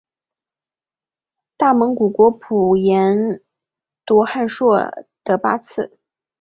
大蒙古国普颜笃汗硕德八剌。